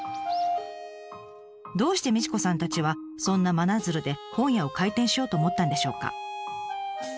どうして道子さんたちはそんな真鶴で本屋を開店しようと思ったんでしょうか？